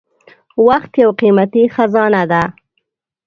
• وخت یو قیمتي خزانه ده.